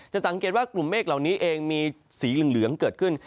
สังเกตว่ากลุ่มเมฆเหล่านี้เองมีสีเหลืองเกิดขึ้น